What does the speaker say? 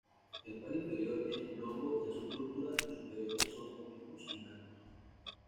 El par inferior es oblongo y azul púrpura, los superiores son oblicuos y blancos.